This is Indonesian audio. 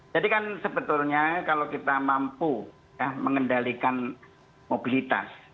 jadi kan sebetulnya kalau kita mampu mengendalikan mobilitas